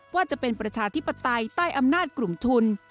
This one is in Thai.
ว่าจะเป็นประชาธิปไตยใต้อำนาจกลุ่มทุน